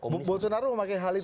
bolsonaro memakai hal itu ya